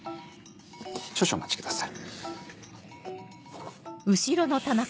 少々お待ちください。